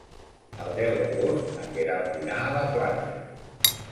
El deu d'agost na Queralt irà a la platja.